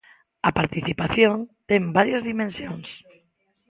A participación ten varias dimensións.